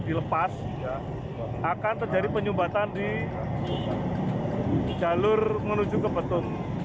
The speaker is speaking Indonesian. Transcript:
dilepas akan terjadi penyumbatan di jalur menuju ke petun